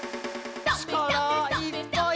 ちからいっぱい！